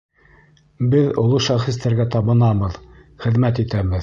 Беҙ оло шәхестәргә табынабыҙ, хеҙмәт итәбеҙ.